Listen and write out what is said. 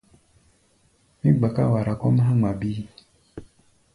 Mí gbaká wara kɔ́ʼm há̧ ŋma bíí.